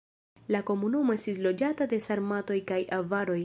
La komunumo estis loĝata de sarmatoj kaj avaroj.